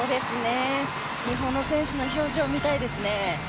日本の選手の表情を見たいですね。